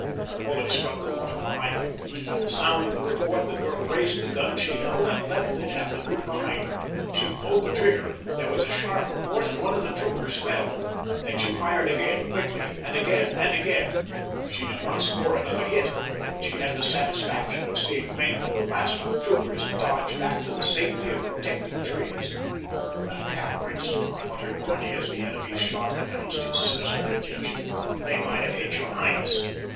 The bullet struck the water behind them. At the sound of the report the girl raised the gun she held and leveled it at the group behind her. She pulled the trigger. There was a sharp report, and one of the troopers fell. Then she fired again, quickly, and again and again. She did not score another hit, but she had the satisfaction of seeing Maenck and the last of his troopers dodge back to the safety of protecting trees. "The cowards!" muttered Barney as the enemy's shot announced his sinister intention; "they might have hit your highness."